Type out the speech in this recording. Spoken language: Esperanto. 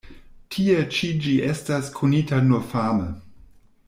Tie ĉi ĝi estas konita nur fame.